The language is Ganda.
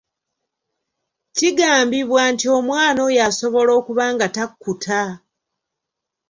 Kigambibwa nti omwana oyo asobola okuba nga takkuta.